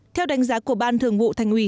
theo đánh giá của ban thường vụ thành ủy